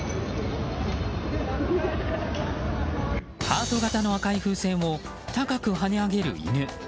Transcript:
ハート形の赤い風船を高く跳ね上げる犬。